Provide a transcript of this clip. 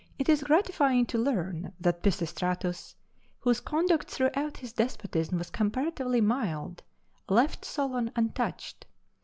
It is gratifying to learn that Pisistratus, whose conduct throughout his despotism was comparatively mild, left Solon untouched.